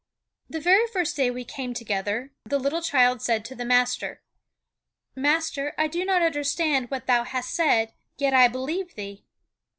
The very first day we came together, the little child said to the master: "Master, I do not understand what thou hast said, yet I believe thee."